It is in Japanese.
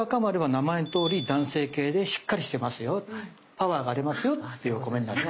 パワーがありますよっていうお米になってます。